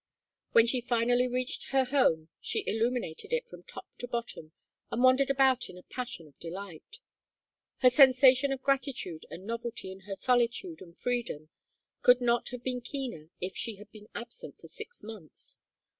When she finally reached her home she illuminated it from top to bottom and wandered about in a passion of delight. Her sensation of gratitude and novelty in her solitude and freedom could not have been keener if she had been absent for six months.